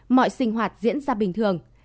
mọi sinh hoạt diễn ra bình thường